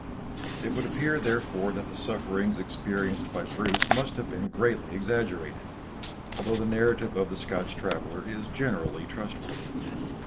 It would appear, therefore, that the sufferings experienced by Bruce must have been greatly exaggerated, although the narrative of the Scotch traveller is generally trustworthy.